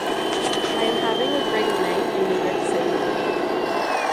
I am having a great night in New York City.